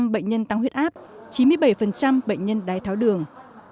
bảy mươi bệnh nhân tăng huyết áp chín mươi bảy bệnh nhân đai tháo đường